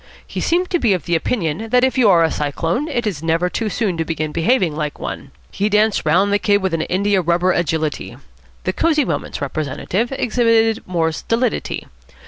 He seemed to be of the opinion that if you are a cyclone, it is never too soon to begin behaving like one. He danced round the Kid with an india rubber agility. The Cosy Moments representative exhibited more stolidity.